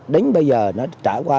đến bây giờ nó đã trải qua từ